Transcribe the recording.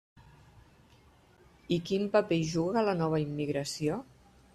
¿I quin paper hi juga la nova immigració?